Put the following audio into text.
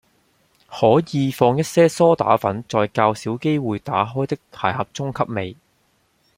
可以放一些蘇打粉在較少機會打開的鞋盒中吸味